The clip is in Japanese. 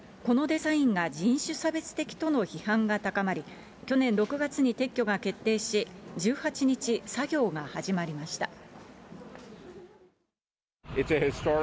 このデザインが人種差別的との批判が高まり、去年６月に撤去が決定し、１８日、作業が始まりました。